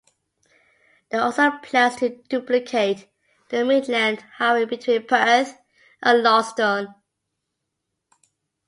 There are also plans to Duplicate the Midland Highway Between Perth and Launceston.